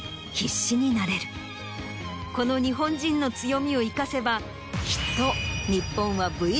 この日本人の強みを生かせばきっと。